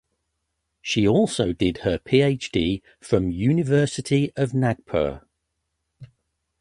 She also did her PhD from University of Nagpur.